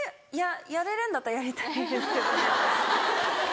やれるんだったらやりたいですけどね。